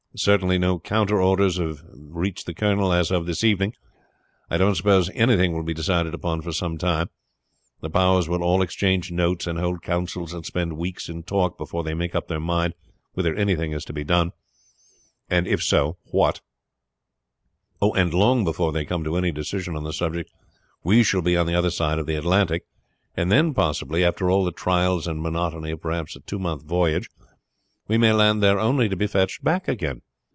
"Certainly no counter orders have reached the colonel this evening. I don't suppose anything will be decided upon for some time. The Powers will all exchange notes and hold councils and spend weeks in talk before they make up their mind whether anything is to be done, and if so what; and long before they come to any decision on the subject we shall be on the other side of the Atlantic, and then, possibly, after all the trials and monotony of perhaps a two months' voyage, we may land there only to be fetched back again.